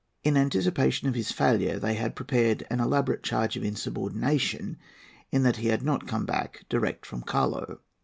In anticipation of his failure they had prepared an elaborate charge of insubordination, in that he had not come back direct from Callao.